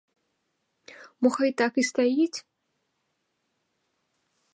Мо хай так і стаіць?